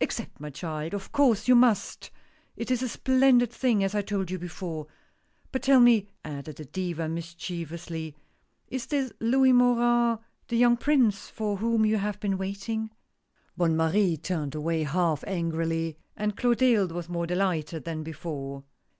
"Accept, my child! of course you must — it is a splendid thing as I told you before. But tell me," added the Diva mischievously, " is this Louis Morin, — the young Prince for whom you have been waiting?" Bonne Marie turned away half angrily, and Clotilde was more delighted than before.